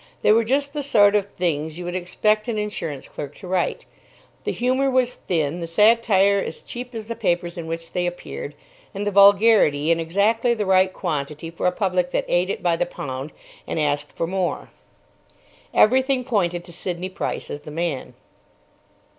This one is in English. They were just the sort of things you would expect an insurance clerk to write. The humour was thin, the satire as cheap as the papers in which they appeared, and the vulgarity in exactly the right quantity for a public that ate it by the pound and asked for more. Every thing pointed to Sidney Price as the man.